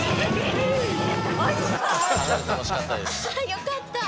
よかった。